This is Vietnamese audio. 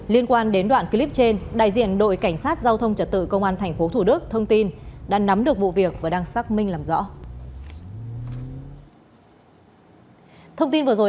liên quan đến đoạn clip trên đại diện đội cảnh sát giao thông trật tự công an tp thủ đức thông tin đã nắm được vụ việc và đang xác minh làm rõ